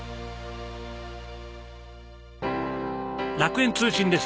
楽園通信です。